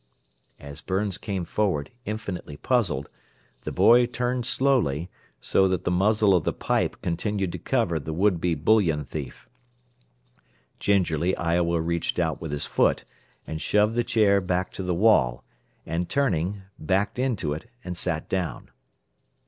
As Burns came forward, infinitely puzzled, the boy turned slowly, so that the "muzzle" of the pipe continued to cover the would be bullion thief. Gingerly Iowa reached out with his foot and shoved the chair back to the wall, and turning, backed into it and sat down.